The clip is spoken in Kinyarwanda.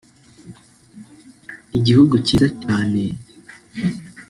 igihugu cyiza cyaneeee